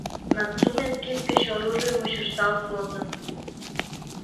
Нацумен кид гыч оружий мучышталт возын.